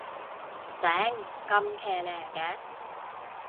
頂，咁騎呢嘅